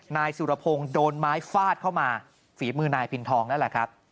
นายสุรพงศ์โดนไม้ฟาดเข้ามาฝีมือนายพินทองนั่นแหละครับ